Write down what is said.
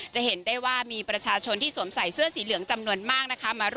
จะเห็นได้ว่ามีประชาชนที่สวมใส่เสื้อสีเหลืองจำนวนมากนะคะ